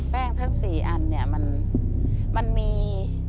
แป้งทั้งสี่อันเนี่ยมันมี